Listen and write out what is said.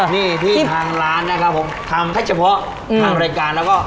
นี่ที่ทางร้านนะครับผมทำให้เฉพาะทางรายการแล้วก็